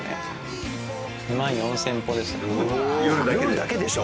夜だけでしょ！？